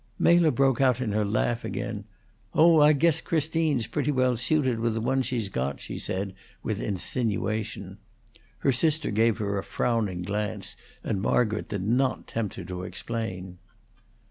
Mela broke out in her laugh again. "Oh, I guess Christine's pretty well suited with the one she's got," she said, with insinuation. Her sister gave her a frowning glance, and Margaret did not tempt her to explain.